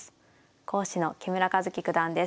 講師の木村一基九段です。